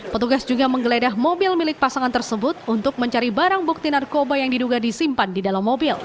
petugas juga menggeledah mobil milik pasangan tersebut untuk mencari barang bukti narkoba yang diduga disimpan di dalam mobil